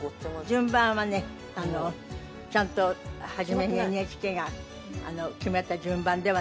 順番はねちゃんと初めにＮＨＫが決めた順番ではなかった。